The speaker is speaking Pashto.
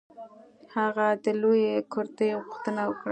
هغه د لویې کرتۍ غوښتنه وکړه.